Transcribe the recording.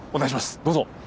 どうぞ。